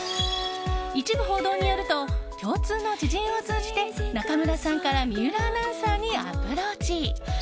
一部報道によると共通の知人を通じて中村さんから水卜アナウンサーにアプローチ。